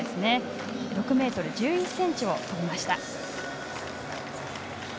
６ｍ１１ｃｍを跳びました。